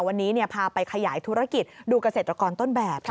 วันนี้พาไปขยายธุรกิจดูเกษตรกรต้นแบบ